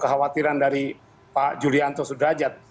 kekhawatiran dari pak julianto sudrajat